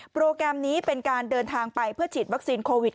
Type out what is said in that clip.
โปรแกรมนี้เป็นการเดินทางไปเพื่อฉีดวัคซีนโควิด